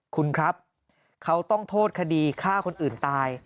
คุณครับเขาต้องโทษคดีฆ่าคนอื่นตาย